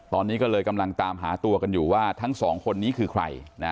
ตอนนี้ก็เลยกำลังตามหาตัวกันอยู่ว่าทั้งสองคนนี้คือใคร